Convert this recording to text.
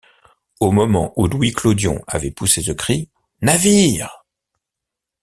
Au moment où Louis Clodion avait poussé ce cri: « Navire!